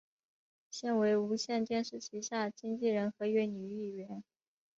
现为无线电视旗下经理人合约女艺员。